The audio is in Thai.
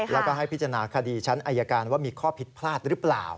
แล้วก็ให้พิจารณาคดีชั้นอายการว่ามีข้อผิดพลาดหรือเปล่า